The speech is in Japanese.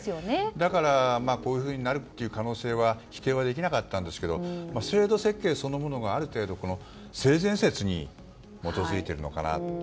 だから、こういうふうになる可能性は否定できなかったんですけど制度設計そのものがある程度、性善説に基づいているのかなと。